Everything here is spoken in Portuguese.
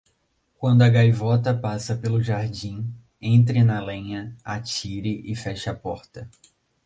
Quando a gaivota passa pelo jardim, entre na lenha, atire e feche a porta.